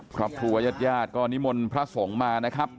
ครับทุกวัยยาดยาดก็นิมนต์พระสงฆ์มานะครับ